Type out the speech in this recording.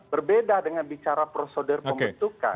berbeda dengan bicara prosedur pembentukan